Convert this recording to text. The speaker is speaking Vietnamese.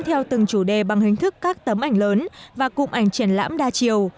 theo từng chủ đề bằng hình thức các tấm ảnh lớn và cụm ảnh triển lãm đa chiều